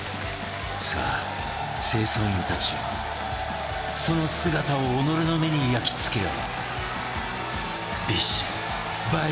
さあ清掃員たちよその姿を己の目に焼き付けよ！